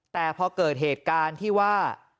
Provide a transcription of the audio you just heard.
แต่พอเกิดเหตุการณ์ที่ว่า